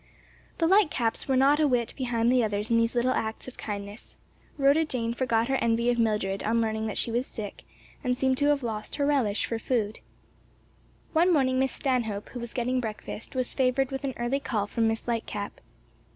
The Lightcaps were not a whit behind the others in these little acts of kindness. Rhoda Jane forgot her envy of Mildred on learning that she was sick and seemed to have lost her relish for food. One morning Miss Stanhope, who was getting breakfast, was favored with an early call from Miss Lightcap.